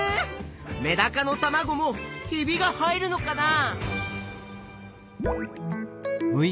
メダカのたまごもひびが入るのかな？